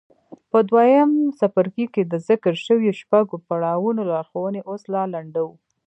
په دويم څپرکي کې د ذکر شويو شپږو پړاوونو لارښوونې اوس را لنډوو.